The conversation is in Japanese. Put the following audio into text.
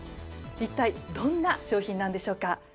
一体どんな商品なんでしょうか？